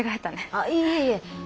あっいえいえ。